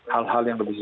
hal hal yang lebih